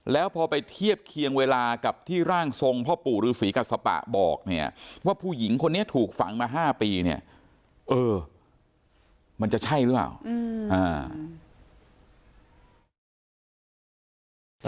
แล้วพอไปเทียบเคียงเวลากับที่ร่างทรงพ่อปู่ฤษีกัสปะบอกเนี่ยว่าผู้หญิงคนนี้ถูกฝังมา๕ปีเนี่ยเออมันจะใช่หรือเปล่า